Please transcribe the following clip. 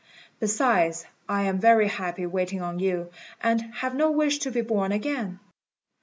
Besides, I am very happy waiting on you, and have no wish to be born again."